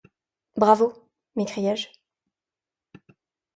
Bravo ! m’écriai-je.